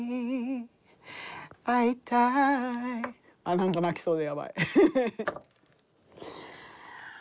何か泣きそうでやばい。